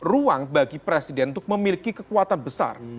ruang bagi presiden untuk memiliki kekuatan besar